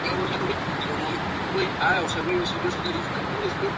El verbo suele aparecer al final de la frase.